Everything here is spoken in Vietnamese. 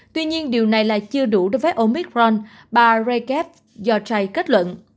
tuy nhiên điều này là chưa đủ đối với omicron bà jaref yorjai kết luận